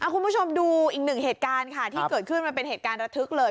คุณผู้ชมดูอีกหนึ่งเหตุการณ์ค่ะที่เกิดขึ้นมันเป็นเหตุการณ์ระทึกเลย